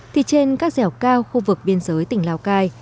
thì trên các dẻo cao khu vực biên giới tỉnh lào cai